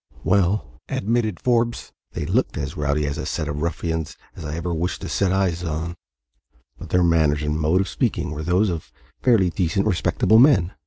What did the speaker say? "Well," admitted Forbes, "they looked as rowdy a set of ruffians as I ever wish to set eyes on; but their manners and mode of speaking were those of fairly decent, respectable men.